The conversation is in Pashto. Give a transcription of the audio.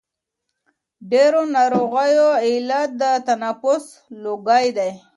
ډېرو ناروغیو علت د تنفس لوګی دی.